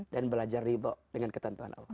dan belajar riba dengan ketentuan allah